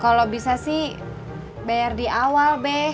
kalo bisa sih bayar di awal be